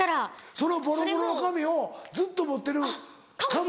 そのボロボロの紙をずっと持ってるかも。